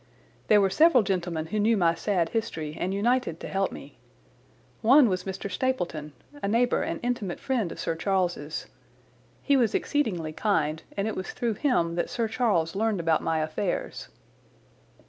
"There were several gentlemen who knew my sad history and united to help me. One was Mr. Stapleton, a neighbour and intimate friend of Sir Charles's. He was exceedingly kind, and it was through him that Sir Charles learned about my affairs."